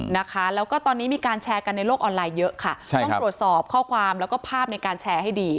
นะคะแล้วก็ตอนนี้มีการแชร์กันในโลกออนไลน์เยอะค่ะต้องตรวจสอบข้อความแล้วก็ภาพในการแชร์ให้ดี